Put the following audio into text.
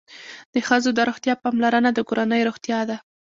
د ښځو د روغتیا پاملرنه د کورنۍ روغتیا ده.